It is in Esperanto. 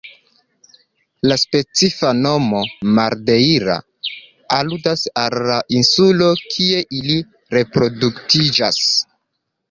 La specifa nomo "madeira" aludas al la insulo kie ili reproduktiĝas.